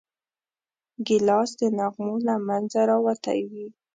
ګیلاس د نغمو له منځه راوتی وي.